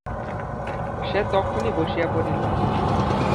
সে তখনই বসিয়া পড়িল।